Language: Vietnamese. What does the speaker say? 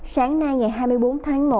sáng nay ngày hai mươi bốn tháng một